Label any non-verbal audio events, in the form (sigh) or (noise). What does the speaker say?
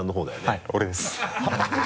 はい俺です (laughs)